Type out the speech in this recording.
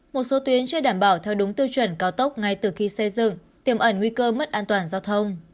một số tuyến chưa đảm bảo theo đúng tiêu chuẩn cao tốc ngay từ khi xây dựng tiềm ẩn nguy cơ mất an toàn giao thông